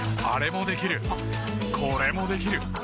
あれもできるこれもできる。